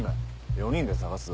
４人で捜すぞ。